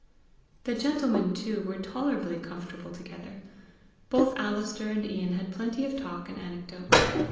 The gentlemen, too, were tolerably comfortable together. Both Alister and Ian had plenty of talk and anecdote.